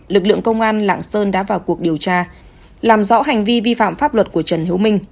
lực lượng công an lạng sơn đã vào cuộc điều tra làm rõ hành vi vi phạm pháp luật của trần hữu minh